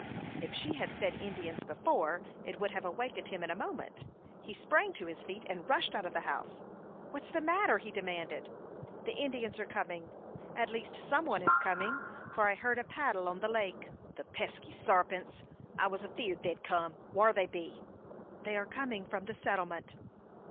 If she had said Indians before, it would have awakened him in a moment. He sprang to his feet, and rushed out of the house. "What's the matter?" he demanded. "The Indians are coming at least some one is coming, for I heard a paddle on the lake." [Illustration: THE NIGHT ATTACK. Page 243.] "The pesky sarpints! I was afeerd they'd kim. Whar be they?" "They are coming from the settlement."